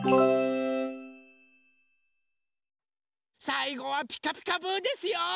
さいごは「ピカピカブ！」ですよ。